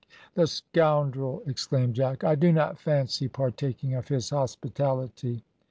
"The scoundrel!" exclaimed Jack. "I do not fancy partaking of his hospitality."